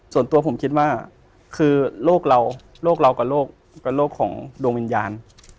ส่วนตัวผมคิดว่าคือโลกเรากับโลกของโดมิญญาณ